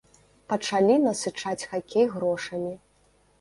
Пачалі насычаць хакей грошамі.